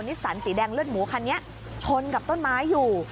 สันสีแดงเลือดหมูคันนี้ชนกับต้นไม้อยู่